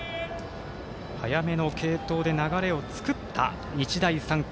早めの継投で流れを作った、日大三高。